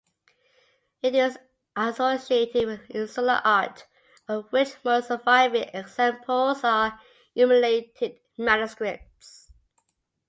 It is associated with Insular art, of which most surviving examples are illuminated manuscripts.